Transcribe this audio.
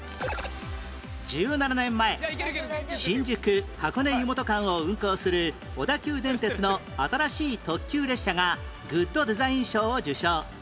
１７年前新宿箱根湯本間を運行する小田急電鉄の新しい特急列車がグッドデザイン賞を受賞